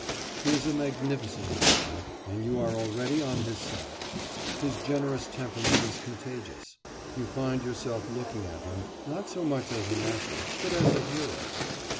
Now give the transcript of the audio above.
He is a magnificent creature, and you are already on his ride. His generous temperament is contagious; you find yourself looking at him, not so much as an actor, but as a hero....